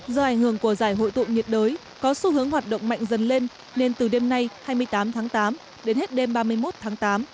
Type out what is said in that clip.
do ảnh hưởng của giải hội tụ nhiệt đới có xu hướng hoạt động mạnh dần lên nên từ đêm nay hai mươi tám tháng tám đến hết đêm ba mươi một tháng tám